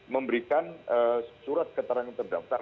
memberikan surat keterangan terdaftar